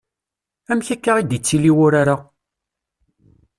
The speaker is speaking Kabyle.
Amek akka i d-ittili wurar-a?